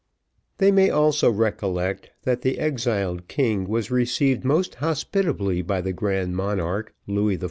They may also recollect, that the exiled king was received most hospitably by the grand monarque, Louis XIV.